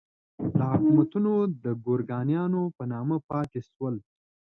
دا حکومتونه د ګورکانیانو په نامه پاتې شول.